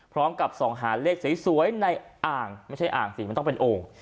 พร้อมกับส่องหาเลขสวยในอ่างไม่ใช่อ่างสิมันต้องเป็นโอ่ง